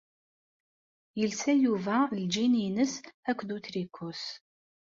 Yelsa Yuba lǧin-ines akked utriku-s.